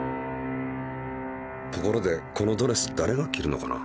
ところでこのドレスだれが着るのかな？